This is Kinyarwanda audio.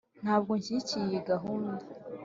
ntabwo nshyigikiye iyi gahunda.